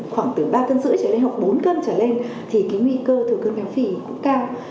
khoảng từ ba cân rưỡi trở lên học bốn cân trở lên thì nguy cơ thừa cân béo phì cũng cao